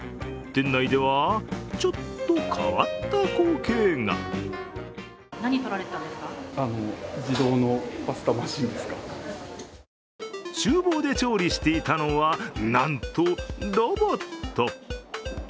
店内ではちょっと変わった光景がちゅう房で調理していたのはなんとロボット。